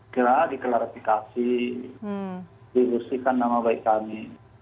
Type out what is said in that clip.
kira kira diklarifikasi diusirkan nama baik kami